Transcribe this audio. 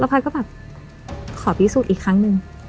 แล้วผมก็แบบขอพิสูจน์อีกครั้งนึง